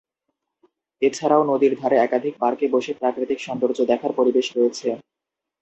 এ ছাড়াও নদীর ধারে একাধিক পার্কে বসে প্রাকৃতিক সৌন্দর্য দেখার পরিবেশ রয়েছে।